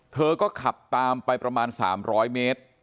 เธอก็ขับตามไปประมาณ๓๐๐เมตร